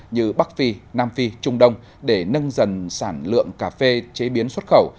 như bắc phi nam phi trung đông để nâng dần sản lượng cà phê chế biến xuất khẩu